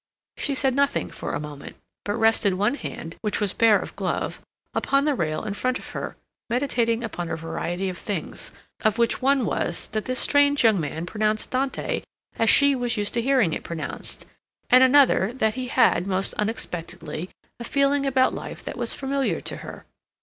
She said nothing for a moment, but rested one hand, which was bare of glove, upon the rail in front of her, meditating upon a variety of things, of which one was that this strange young man pronounced Dante as she was used to hearing it pronounced, and another, that he had, most unexpectedly, a feeling about life that was familiar to her.